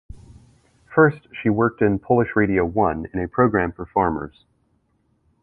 First she worked in Polish Radio I in a programme for farmers.